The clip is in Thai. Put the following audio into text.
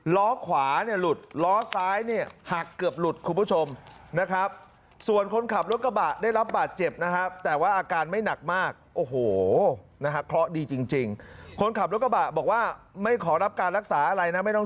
ล้อขวาเนี่ยหลุดล้อซ้ายเนี่ยหักเกือบหลุดคุณผู้ชมนะครับส่วนคนขับรถกระบะได้รับบาดเจ็บนะครับแต่ว่าอาการไม่หนักมากโอ้โหนะครับเคราะห์ดีจริง